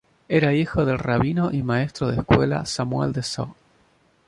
Era hijo del rabino y maestro de escuela Samuel Dessau.